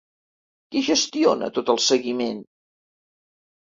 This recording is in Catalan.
Qui gestiona tot el seguiment?